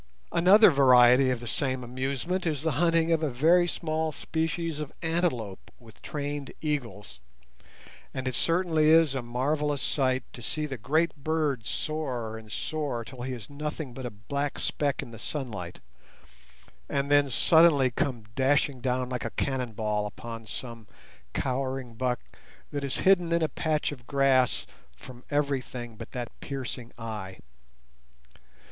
Another variety of the same amusement is the hunting of a very small species of antelope with trained eagles; and it certainly is a marvellous sight to see the great bird soar and soar till he is nothing but a black speck in the sunlight, and then suddenly come dashing down like a cannon ball upon some cowering buck that is hidden in a patch of grass from everything but that piercing eye.